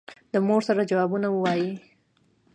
د مور سره جوابونه وايي.